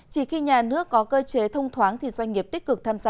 chỉ khi nhà nước có cơ chế thông thoáng thì doanh nghiệp tích cực tham gia